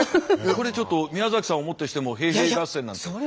これちょっと宮崎さんをもってしても平平合戦なんて。